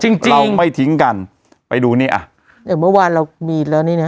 จริงจริงเราไม่ทิ้งกันไปดูนี่อ่ะอย่างเมื่อวานเรามีแล้วนี่เนี้ย